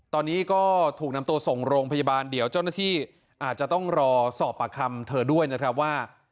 ตอนนี้ก็ถูกนำตัวส่งโรงพยาบาลเดี๋ยวเจ้าหน้าที่อาจจะต้องรอสอบปากคำเธอด้วยนะครับว่า